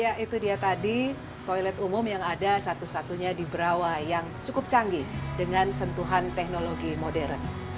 ya itu dia tadi toilet umum yang ada satu satunya di brawa yang cukup canggih dengan sentuhan teknologi modern